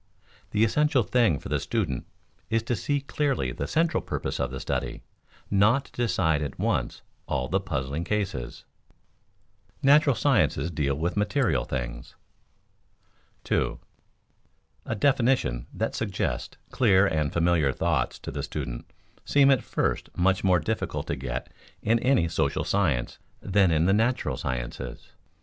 The essential thing for the student is to see clearly the central purpose of the study, not to decide at once all of the puzzling cases. [Sidenote: Natural sciences deal with material things] 2. _A definition that suggests clear and familiar thoughts to the student seem at first much more difficult to get in any social science than in the natural sciences.